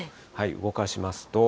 動かしますと。